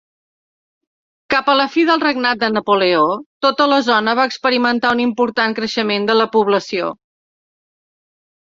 Cap a la fi del regnat de Napoleó, tota la zona va experimentar un important creixement de la població.